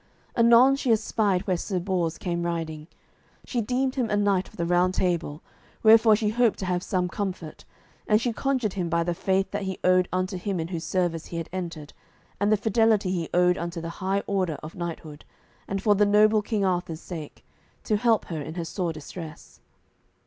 Anon she espied where Sir Bors came riding. She deemed him a knight of the Round Table, wherefore she hoped to have some comfort; and she conjured him by the faith that he owed unto him in whose service he had entered, and the fidelity he owed unto the high order of knighthood, and for the noble King Arthur's sake, to help her in her sore distress.